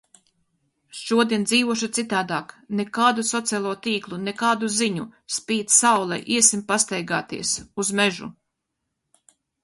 Šodien dzīvošu citādāk. Nekādu sociālo tīklu, nekādu ziņu! Spīd saule, iesim pastaigāties. Uz mežu.